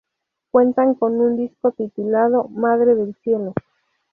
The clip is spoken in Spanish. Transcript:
Cuentan con un disco titulado "Madre del Cielo".